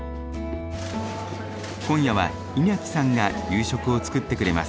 今夜はイニャキさんが夕食を作ってくれます。